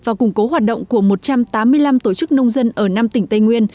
và củng cố hoạt động của một trăm tám mươi năm tổ chức nông dân ở năm tỉnh tây nguyên